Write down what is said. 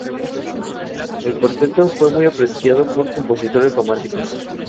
El ácido se disuelve.